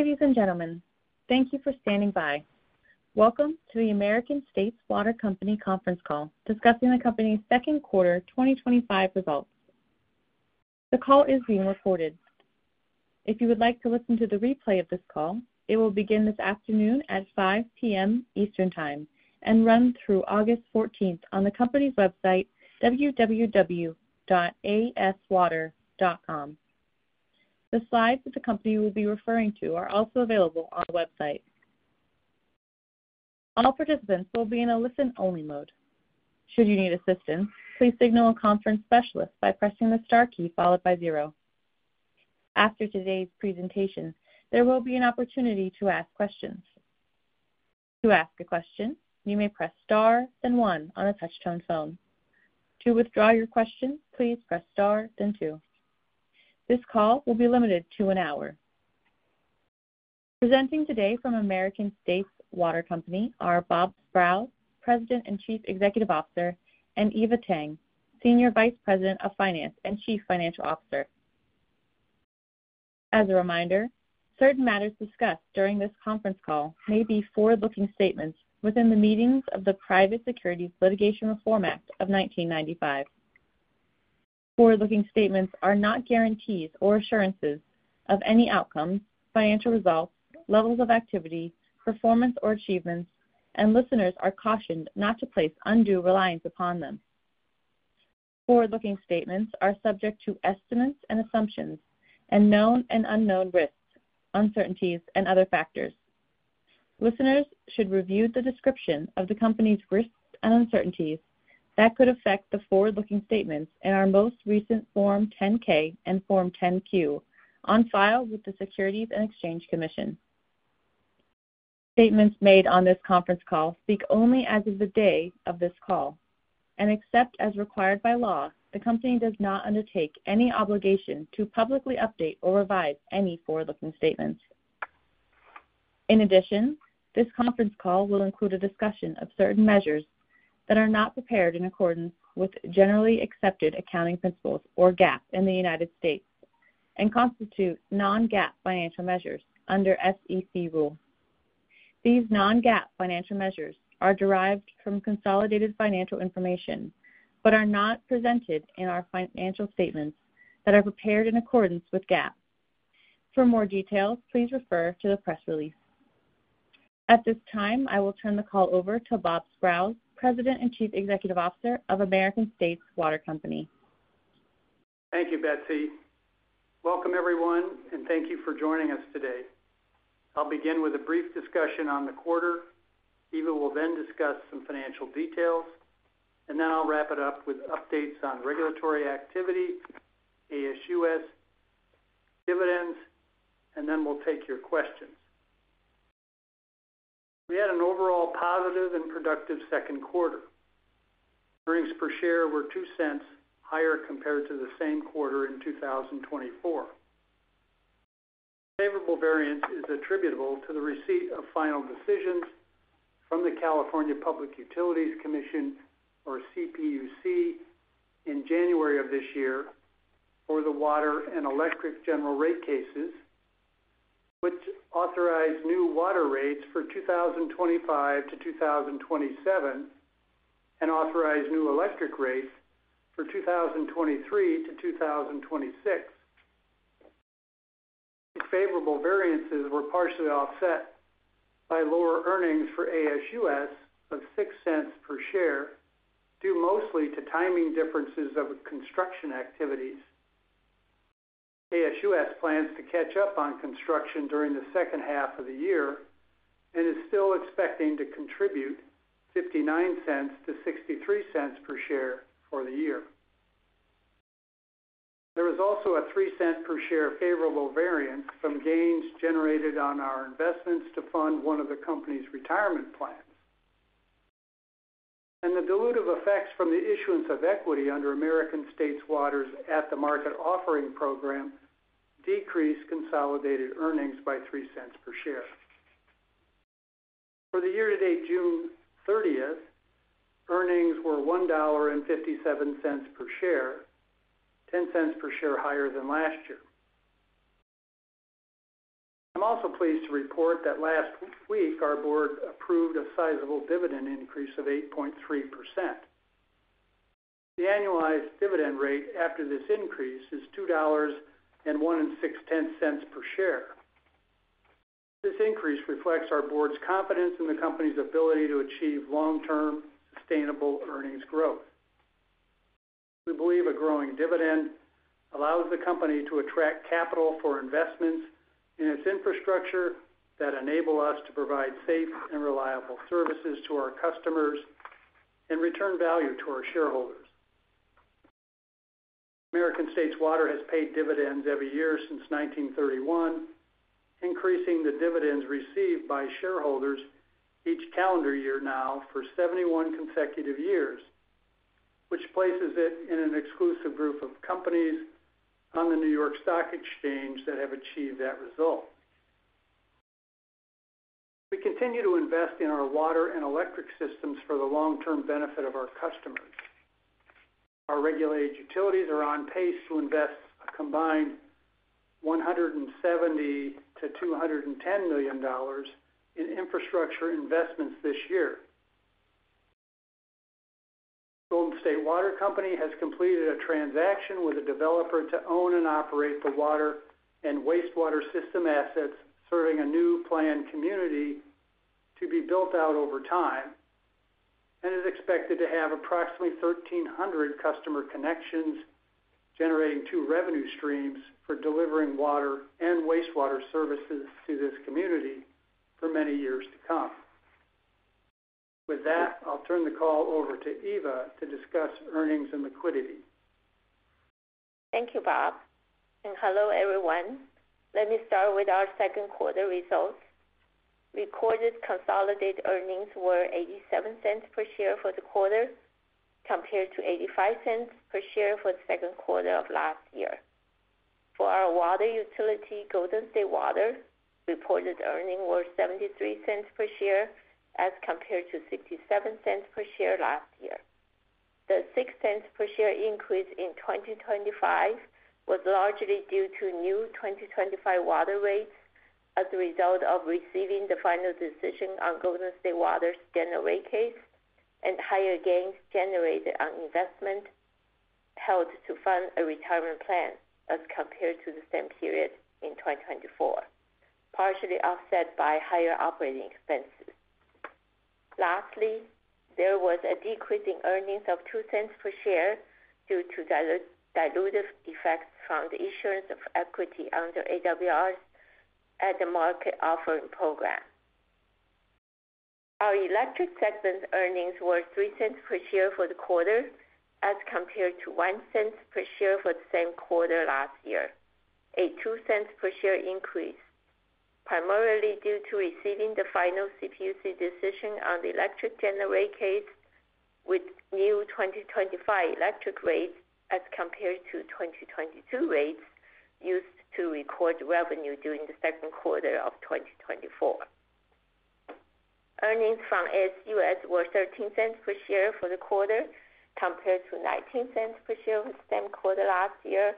Ladies and gentlemen, thank you for standing by. Welcome to the American States Water Company Conference Call discussing the Company's Second Quarter 2025 Results. The call is being recorded. If you would like to listen to the replay of this call, it will begin this afternoon at 5:00 P.M. Eastern Time and run through August 14th on the company's website, www.aswater.com. The slides that the company will be referring to are also available on the website. All participants will be in a listen-only mode. Should you need assistance, please signal a conference specialist by pressing the star key followed by zero. After today's presentation, there will be an opportunity to ask questions. To ask a question, you may press star, then one on a touch-tone phone. To withdraw your question, please press star, then two. This call will be limited to an hour. Presenting today from American States Water Company are Bob Sprowls, President and Chief Executive Officer, and Eva Tang, Senior Vice President of Finance and Chief Financial Officer. As a reminder, certain matters discussed during this conference call may be forward-looking statements within the meanings of the Private Securities Litigation Reform Act of 1995. Forward-looking statements are not guarantees or assurances of any outcomes, financial results, levels of activity, performance, or achievements, and listeners are cautioned not to place undue reliance upon them. Forward-looking statements are subject to estimates and assumptions, and known and unknown risks, uncertainties, and other factors. Listeners should review the description of the company's risks and uncertainties that could affect the forward-looking statements in our most recent Form 10-K and Form 10-Q on file with the Securities and Exchange Commission. Statements made on this conference call speak only as of the day of this call, and except as required by law, the company does not undertake any obligation to publicly update or revise any forward-looking statements. In addition, this conference call will include a discussion of certain measures that are not prepared in accordance with generally accepted accounting principles or GAAP in the United States and constitute non-GAAP financial measures under SEC rule. These non-GAAP financial measures are derived from consolidated financial information but are not presented in our financial statements that are prepared in accordance with GAAP. For more details, please refer to the press release. At this time, I will turn the call over to Bob Sprowls, President and Chief Executive Officer of American States Water Company. Thank you, Betsy. Welcome, everyone, and thank you for joining us today. I'll begin with a brief discussion on the quarter. Eva will then discuss some financial details, and then I'll wrap it up with updates on regulatory activity, ASUS, dividends, and then we'll take your questions. We had an overall positive and productive second quarter. Earnings per share were $0.02 higher compared to the same quarter in 2024. Favorable variance is attributable to the receipt of final decisions from the California Public Utilities Commission, or CPUC, in January of this year for the water and electric general rate cases, which authorized new water rates for 2025 to 2027 and authorized new electric rates for 2023 to 2026. Favorable variances were partially offset by lower earnings for ASUS of $0.06 per share, due mostly to timing differences of construction activities. ASUS plans to catch up on construction during the second half of the year and is still expecting to contribute $0.59-$0.63 per share for the year. There was also a $0.03 per share favorable variance from gains generated on our investments to fund one of the company's retirement plans. The dilutive effects from the issuance of equity under American States Water Company's at the market offering program decreased consolidated earnings by $0.03 per share. For the year to date June 30th, earnings were $1.57 per share, $0.10 per share higher than last year. I'm also pleased to report that last week our board approved a sizable dividend increase of 8.3%. The annualized dividend rate after this increase is $2.016 per share. This increase reflects our board's confidence in the company's ability to achieve long-term sustainable earnings growth. We believe a growing dividend allows the company to attract capital for investments in its infrastructure that enable us to provide safe and reliable services to our customers and return value to our shareholders. American States Water Company has paid dividends every year since 1931, increasing the dividends received by shareholders each calendar year now for 71 consecutive years, which places it in an exclusive group of companies on the New York Stock Exchange that have achieved that result. We continue to invest in our water and electric systems for the long-term benefit of our customers. Our regulated utilities are on pace to invest a combined $170 million-$210 million in infrastructure investments this year. Golden State Water Company has completed a transaction with a developer to own and operate the water and wastewater system assets serving a new planned community to be built out over time and is expected to have approximately 1,300 customer connections generating two revenue streams for delivering water and wastewater services to this community for many years to come. With that, I'll turn the call over to Eva to discuss earnings and liquidity. Thank you, Bob. Hello, everyone. Let me start with our second quarter results. Recorded consolidated earnings were $0.87 per share for the quarter compared to $0.85 per share for the second quarter of last year. For our water utility, Golden State Water Company, reported earnings were $0.73 per share as compared to $0.67 per share last year. The $0.06 per share increase in 2025 was largely due to new 2025 water rates as a result of receiving the final decision on Golden State Water's general rate case and higher gains generated on investment held to fund a retirement plan as compared to the same period in 2024, partially offset by higher operating expenses. There was a decrease in earnings of $0.02 per share due to dilutive effects from the issuance of equity under American States Water Company's at the market offering program. Our electric segment earnings were $0.03 per share for the quarter as compared to $0.01 per share for the same quarter last year, a $0.02 per share increase, primarily due to receiving the final CPUC decision on the electric general rate case with new 2025 electric rates as compared to 2022 rates used to record revenue during the second quarter of 2024. Earnings from American States Utility Services were $0.13 per share for the quarter compared to $0.19 per share for the same quarter last year,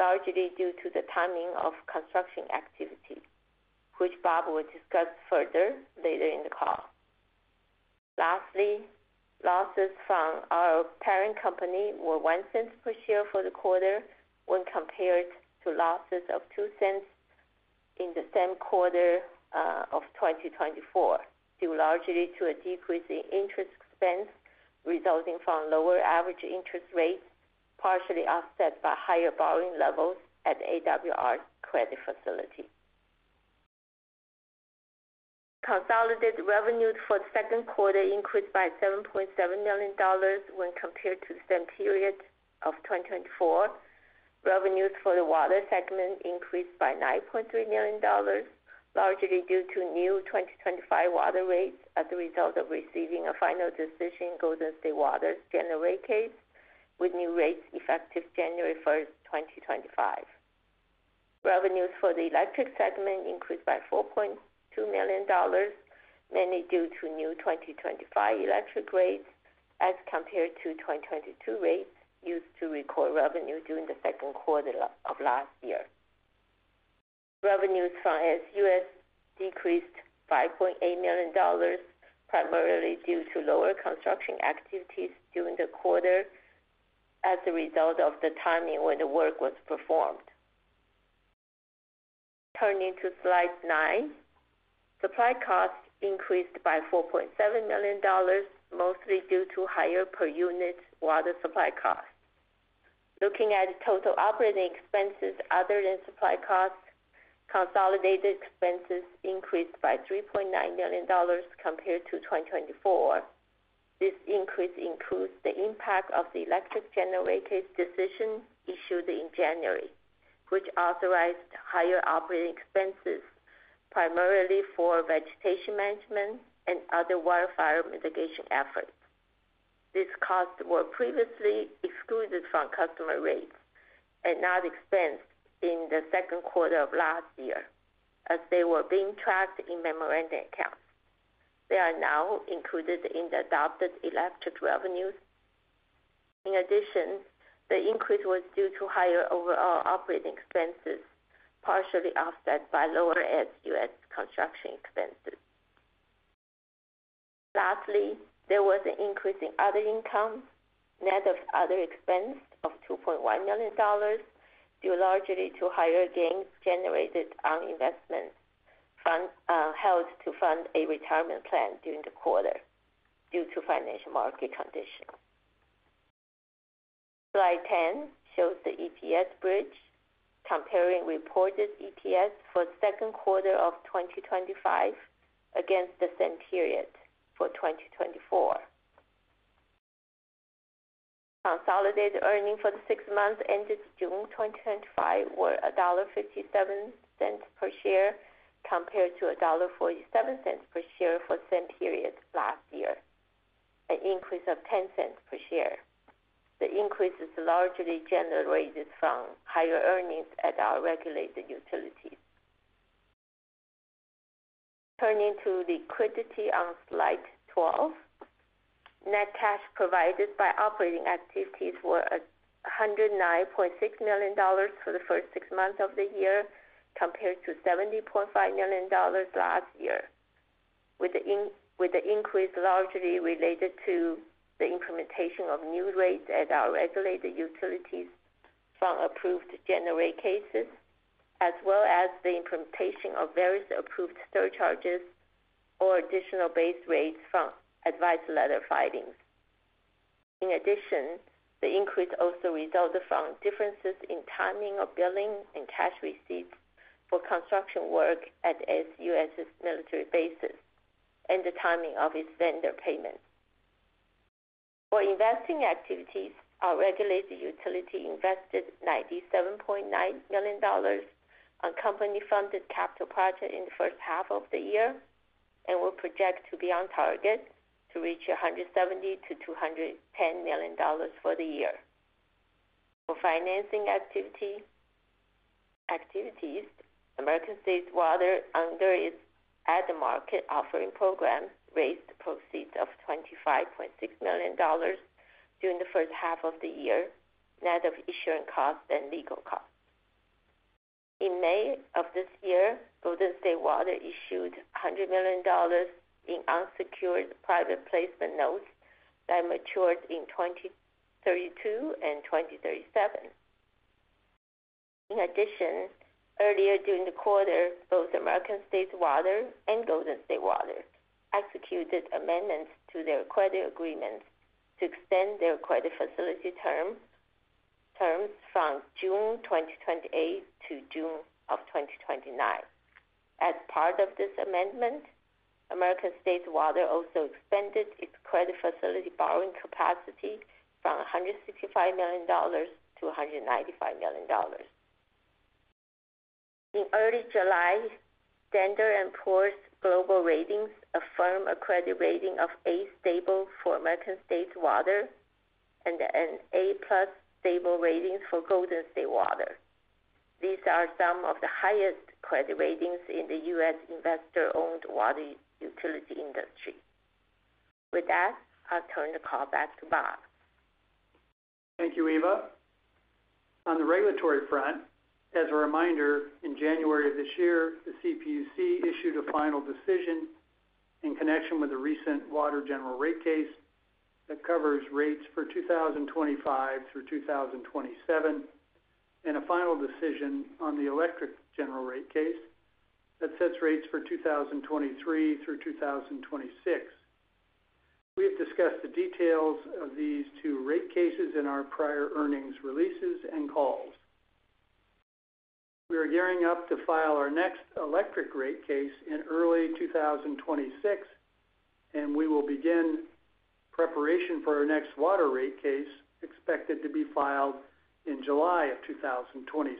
largely due to the timing of construction activity, which Bob will discuss further later in the call. Losses from our parent company were $0.01 per share for the quarter when compared to losses of $0.02 in the same quarter of 2024, due largely to a decrease in interest expense resulting from lower average interest rates partially offset by higher borrowing levels at American States Water Company's credit facility. Consolidated revenues for the second quarter increased by $7.7 million when compared to the same period of 2024. Revenues for the water segment increased by $9.3 million, largely due to new 2025 water rates as a result of receiving a final decision in Golden State Water's general rate case with new rates effective January 1, 2025. Revenues for the electric segment increased by $4.2 million, mainly due to new 2025 electric rates as compared to 2022 rates used to record revenue during the second quarter of last year. Revenues for ASUS decreased $5.8 million, primarily due to lower construction activities during the quarter as a result of the timing when the work was performed. Turning to slide nine, supply costs increased by $4.7 million, mostly due to higher per unit water supply costs. Looking at total operating expenses other than supply costs, consolidated expenses increased by $3.9 million compared to 2024. This increase includes the impact of the electric generator decision issued in January, which authorized higher operating expenses, primarily for vegetation management and other wildfire mitigation efforts. These costs were previously excluded from customer rates and not expensed in the second quarter of last year as they were being tracked in memorandum accounts. They are now included in the adopted electric revenues. In addition, the increase was due to higher overall operating expenses, partially offset by lower ASUS construction expenses. Lastly, there was an increase in other income, net of other expenses of $2.1 million, due largely to higher gains generated on investments held to fund a retirement plan during the quarter due to financial market conditions. Slide 10 shows the EPS bridge comparing reported EPS for the second quarter of 2025 against the same period for 2024. Consolidated earnings for the six months ended June 2025 were $1.57 per share compared to $1.47 per share for the same period last year, an increase of $0.10 per share. The increase is largely generated from higher earnings at our regulated utilities. Turning to liquidity on slide 12, net cash provided by operating activities was $109.6 million for the first six months of the year compared to $70.5 million last year, with the increase largely related to the implementation of new rates at our regulated utilities from approved general rate cases, as well as the implementation of various approved surcharges or additional base rates from advice letter findings. In addition, the increase also resulted from differences in timing of billing and cash receipts for construction work at ASUS's military bases and the timing of its vendor payments. For investing activities, our regulated utility invested $97.9 million on company-funded capital projects in the first half of the year and will project to be on target to reach $170-$210 million for the year. For financing activities, American States Water under its at-the-market offering program raised proceeds of $25.6 million during the first half of the year, net of issuing costs and legal costs. In May of this year, Golden State Water issued $100 million in unsecured private placement notes that mature in 2032 and 2037. In addition, earlier during the quarter, both American States Water and Golden State Water executed amendments to their credit agreements to extend their credit facility terms from June 2028 to June 2029. As part of this amendment, American States Water also expanded its credit facility borrowing capacity from $165 million to $195 million. In early July, Standard & Poor's Global Ratings affirmed a credit rating of A stable for American States Water Company and an A+ stable rating for Golden State Water. These are some of the highest credit ratings in the U.S. investor-owned water utility industry. With that, I'll turn the call back to Bob. Thank you, Eva. On the regulatory front, as a reminder, in January of this year, the CPUC issued a final decision in connection with a recent water general rate case that covers rates for 2025 through 2027 and a final decision on the electric general rate case that sets rates for 2023 through 2026. We've discussed the details of these two rate cases in our prior earnings releases and calls. We are gearing up to file our next electric rate case in early 2026, and we will begin preparation for our next water rate case expected to be filed in July of 2026.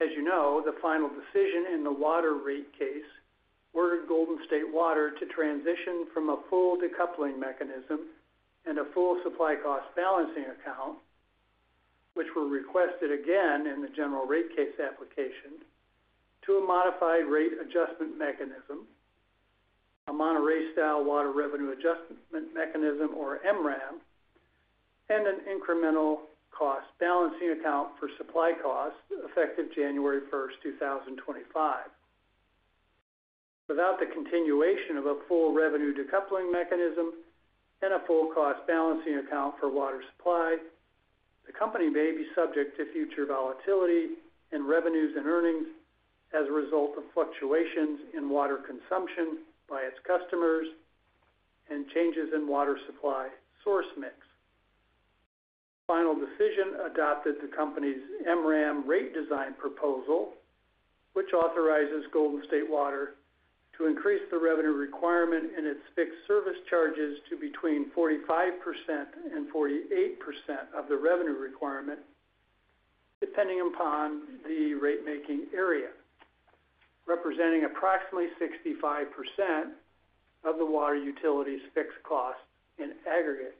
As you know, the final decision in the water rate case ordered Golden State Water to transition from a full revenue decoupling mechanism and a full supply cost balancing account, which were requested again in the general rate case application, to a modified rate adjustment mechanism, a Monterey style water revenue adjustment mechanism, or MRAM, and an incremental cost balancing account for supply costs effective January 1, 2025. Without the continuation of a full revenue decoupling mechanism and a full cost balancing account for water supplies, the company may be subject to future volatility in revenues and earnings as a result of fluctuations in water consumption by its customers and changes in water supply source mix. The final decision adopted the company's MRAM rate design proposal, which authorizes Golden State Water Company to increase the revenue requirement in its fixed service charges to between 45% and 48% of the revenue requirement, depending upon the rate-making area, representing approximately 65% of the water utility's fixed cost in aggregate.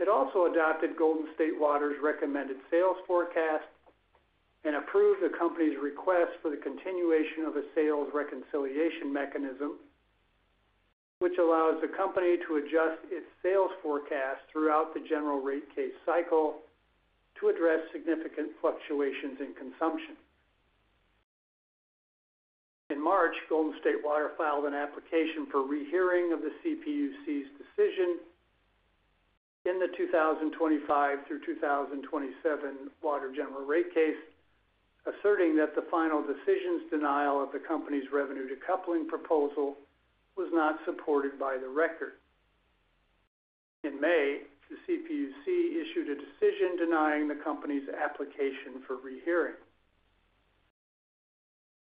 It also adopted Golden State Water's recommended sales forecast and approved the company's request for the continuation of a sales reconciliation mechanism, which allows the company to adjust its sales forecast throughout the general rate case cycle to address significant fluctuations in consumption. In March, Golden State Water filed an application for rehearing of the CPUC's decision in the 2025 through 2027 water general rate case, asserting that the final decision's denial of the company's revenue decoupling proposal was not supported by the record. In May, the CPUC issued a decision denying the company's application for rehearing.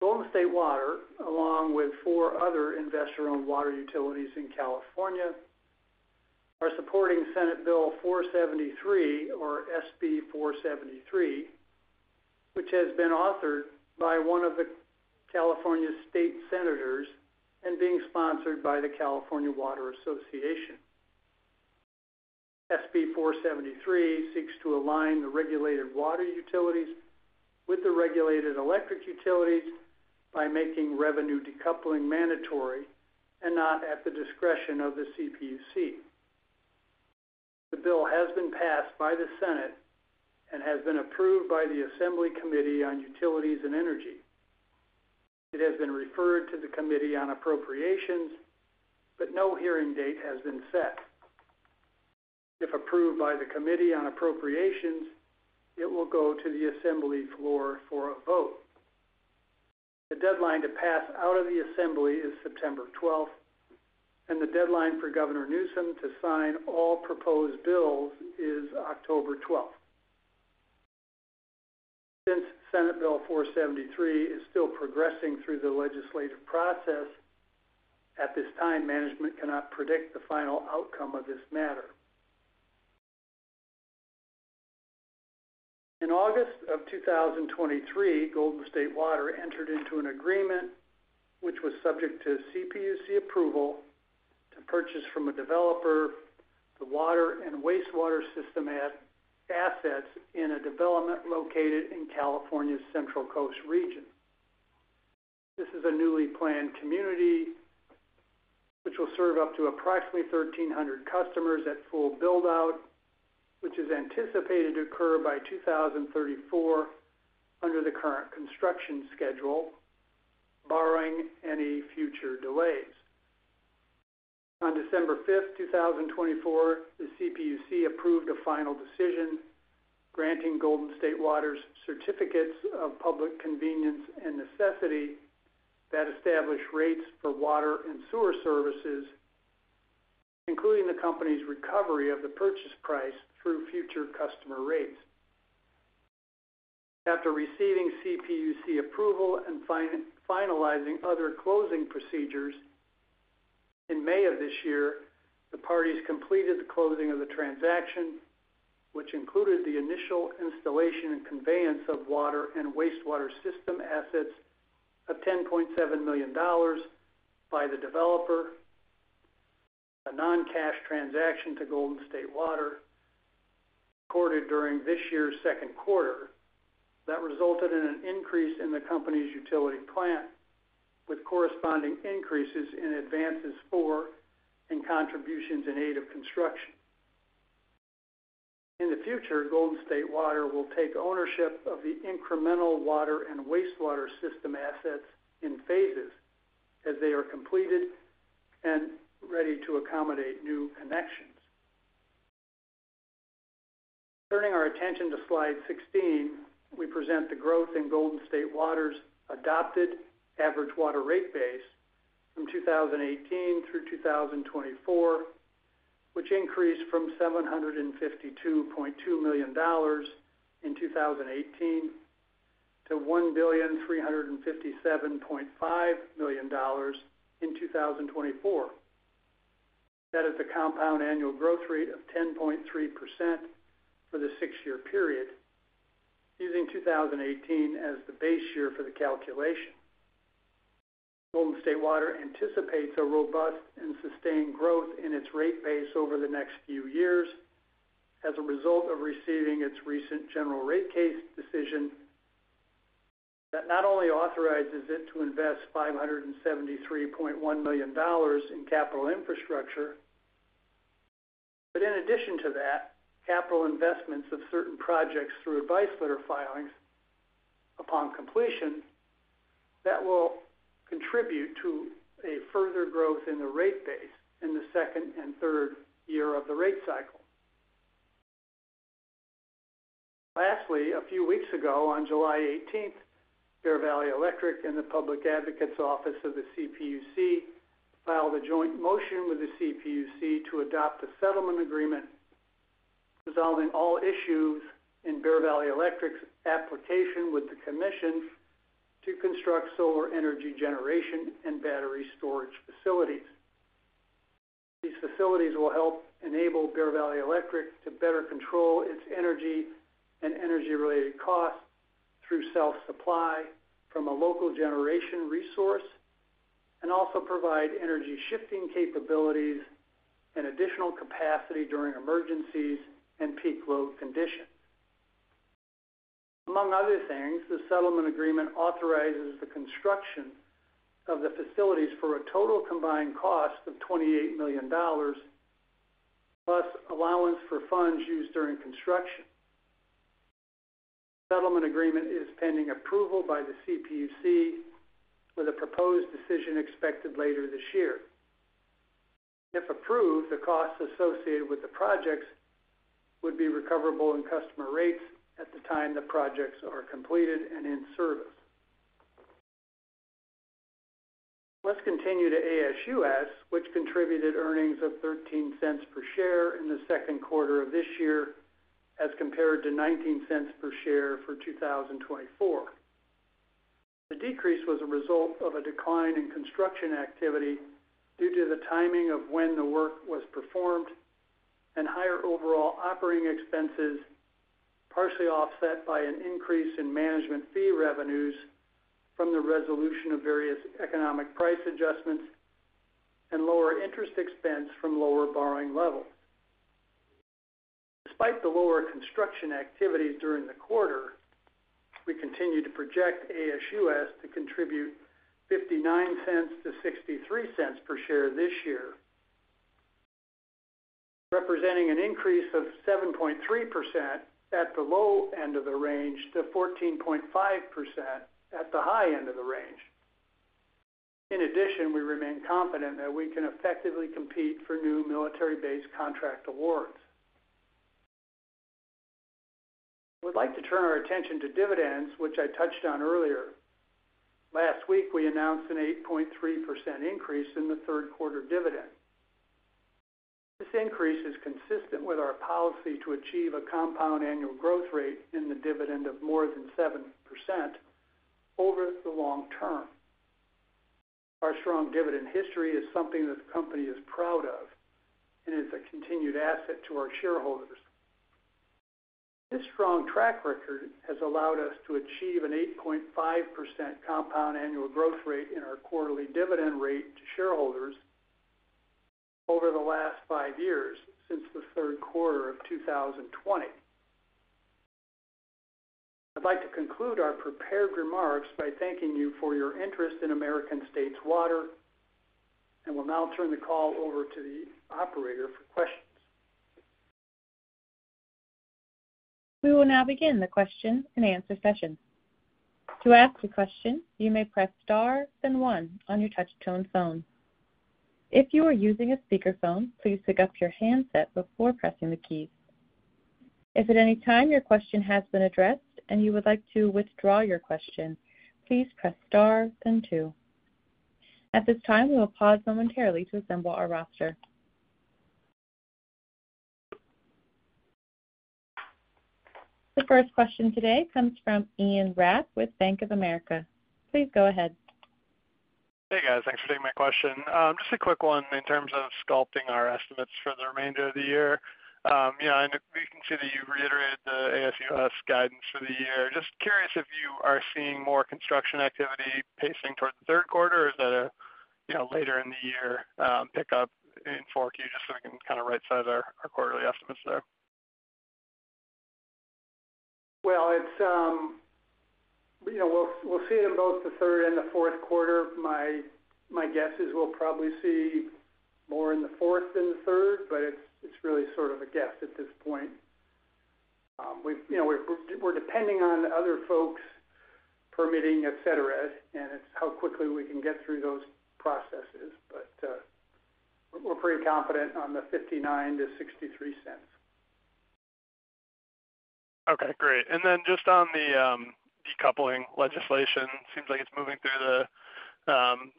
Golden State Water, along with four other investor-owned water utilities in California, are supporting Senate Bill 473, or SB 473, which has been authored by one of the California state senators and is being sponsored by the California Water Association. SB 473 seeks to align the regulated water utilities with the regulated electric utilities by making revenue decoupling mandatory and not at the discretion of the CPUC. The bill has been passed by the Senate and has been approved by the Assembly Committee on Utilities and Energy. It has been referred to the Committee on Appropriations, but no hearing date has been set. If approved by the Committee on Appropriations, it will go to the Assembly floor for a vote. The deadline to pass out of the Assembly is September 12, and the deadline for Governor Newsom to sign all proposed bills is October 12. Since Senate Bill 473 is still progressing through the legislative process, at this time, management cannot predict the final outcome of this matter. In August of 2023, Golden State Water entered into an agreement, which was subject to CPUC approval, to purchase from a developer the water and wastewater system assets in a development located in California's Central Coast region. This is a newly planned community, which will serve up to approximately 1,300 customers at full build-out, which is anticipated to occur by 2034 under the current construction schedule, barring any future delays. On December 5, 2024, the CPUC approved a final decision granting Golden State Water's certificates of public convenience and necessity that establish rates for water and sewer services, including the company's recovery of the purchase price through future customer rates. After receiving CPUC approval and finalizing other closing procedures, in May of this year, the parties completed the closing of the transaction, which included the initial installation and conveyance of water and wastewater system assets of $10.7 million by the developer, a non-cash transaction to Golden State Water recorded during this year's second quarter that resulted in an increase in the company's utility plant, with corresponding increases in advances for and contributions in aid of construction. In the future, Golden State Water will take ownership of the incremental water and wastewater system assets in phases as they are completed and ready to accommodate new connections. Turning our attention to slide 16, we present the growth in Golden State Water's adopted average water rate base from 2018 through 2024, which increased from $752.2 million in 2018 to $1,357,500,000 in 2024. That is the compound annual growth rate of 10.3% for the six-year period, using 2018 as the base year for the calculation. Golden State Water anticipates a robust and sustained growth in its rate base over the next few years as a result of receiving its recent general rate case decision that not only authorizes it to invest $573.1 million in capital infrastructure, but in addition to that, capital investments of certain projects through advice letter filings upon completion that will contribute to a further growth in the rate base in the second and third year of the rate cycle. Lastly, a few weeks ago, on July 18, Bear Valley Electric and the Public Advocates Office of the CPUC filed a joint motion with the CPUC to adopt a settlement agreement resolving all issues in Bear Valley Electric's application with the commission to construct solar energy generation and battery storage facilities. These facilities will help enable Bear Valley Electric to better control its energy and energy-related costs through self-supply from a local generation resource and also provide energy shifting capabilities and additional capacity during emergencies and peak load conditions. Among other things, the settlement agreement authorizes the construction of the facilities for a total combined cost of $28 million, plus allowance for funds used during construction. The settlement agreement is pending approval by the CPUC with a proposed decision expected later this year. If approved, the costs associated with the projects would be recoverable in customer rates at the time the projects are completed and in service. Let's continue to American States Utility Services, which contributed earnings of $0.13 per share in the second quarter of this year as compared to $0.19 per share for 2024. The decrease was a result of a decline in construction activity due to the timing of when the work was performed and higher overall operating expenses partially offset by an increase in management fee revenues from the resolution of various economic price adjustments and lower interest expense from lower borrowing levels. Despite the lower construction activity during the quarter, we continue to project ASUS to contribute $0.59-$0.63 per share this year, representing an increase of 7.3% at the low end of the range to 14.5% at the high end of the range. In addition, we remain confident that we can effectively compete for new military-based contract awards. I would like to turn our attention to dividends, which I touched on earlier. Last week, we announced an 8.3% increase in the third quarter dividend. This increase is consistent with our policy to achieve a compound annual growth rate in the dividend of more than 7% over the long term. Our strong dividend history is something that the company is proud of and is a continued asset to our shareholders. This strong track record has allowed us to achieve an 8.5% compound annual growth rate in our quarterly dividend rate to shareholders over the last five years since the third quarter of 2020. I'd like to conclude our prepared remarks by thanking you for your interest in American States Water Company, and we'll now turn the call over to the operator for questions. We will now begin the question and answer session. To ask a question, you may press star then one on your touch-tone phone. If you are using a speakerphone, please pick up your handset before pressing the key. If at any time your question has been addressed and you would like to withdraw your question, please press star then two. At this time, we will pause momentarily to assemble our roster. The first question today comes from Ian Rapp with Bank of America. Please go ahead. Hey, guys. Thanks for taking my question. Just a quick one in terms of sculpting our estimates for the remainder of the year. I know we can see that you reiterated the ASUS guidance for the year. Just curious if you are seeing more construction activity pacing towards the third quarter, or is that a later in the year pickup in 4Q, just so we can kind of right-size our quarterly estimates there? You know, we'll see it in both the third and the fourth quarter. My guess is we'll probably see more in the fourth than the third, but it's really sort of a guess at this point. We're depending on other folks' permitting, et cetera, and it's how quickly we can get through those processes. We're pretty confident on the $0.59 to $0.63. Okay, great. On the decoupling legislation, it seems like it's moving through the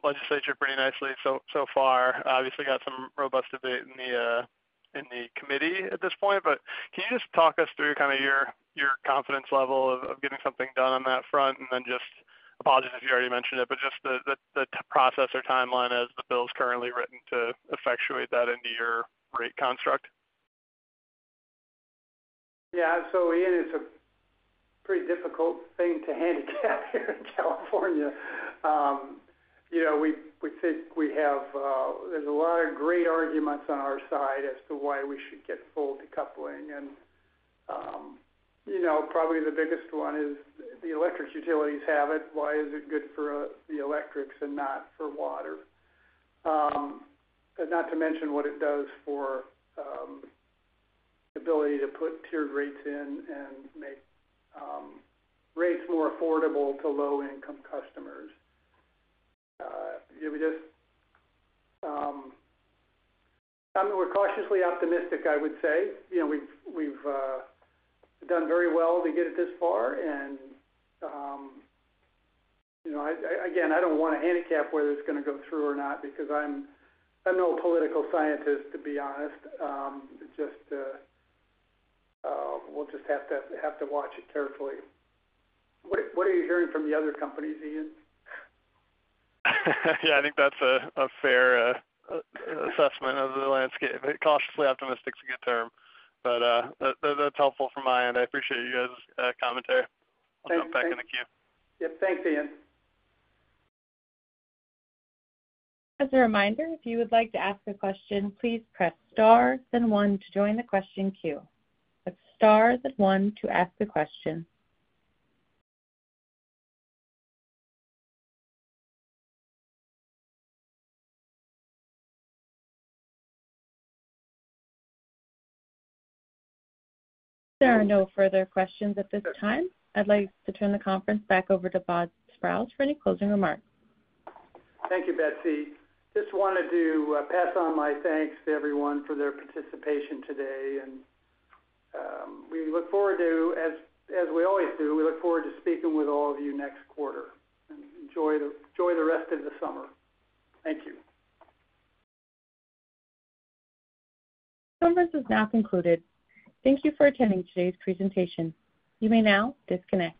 legislature pretty nicely so far. Obviously, we got some robust debate in the committee at this point. Can you just talk us through kind of your confidence level of getting something done on that front? Apologies if you already mentioned it, but just the process or timeline as the bill's currently written to effectuate that into your rate construct? Yeah. Ian, it's a pretty difficult thing to handicap here in California. We think we have, there's a lot of great arguments on our side as to why we should get full revenue decoupling. Probably the biggest one is the electric utilities have it. Why is it good for the electrics and not for water? Not to mention what it does for the ability to put tiered rates in and make rates more affordable to low-income customers. I mean, we're cautiously optimistic, I would say. We've done very well to get it this far. Again, I don't want to handicap whether it's going to go through or not because I'm no political scientist, to be honest. We'll just have to watch it carefully. What are you hearing from the other companies, Ian? Yeah, I think that's a fair assessment of the landscape. Cautiously optimistic is a good term. That's helpful from my end. I appreciate you guys' commentary. I'll jump back in the queue. Yep. Thanks, Ian. As a reminder, if you would like to ask a question, please press star then one to join the question queue. Press star then one to ask a question. If there are no further questions at this time, I'd like to turn the conference back over to Bob Sprowls for any closing remarks. Thank you, Betsy. I just wanted to pass on my thanks to everyone for their participation today. We look forward to, as we always do, speaking with all of you next quarter. Enjoy the rest of the summer. Thank you. Conference is now concluded. Thank you for attending today's presentation. You may now disconnect.